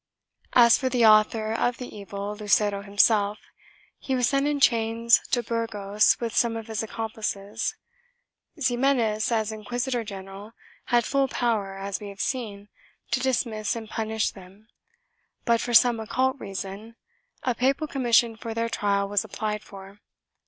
1 As for the author of the evil, Lucero himself, he was sent in chains to Burgos with some of his accomplices. Ximenes, as inquisitor general, had full power, as we have seen, to dismiss and punish them but, for some occult reason, a papal commission for their trial was applied for.